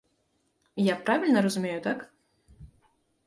Я правільна разумею, так?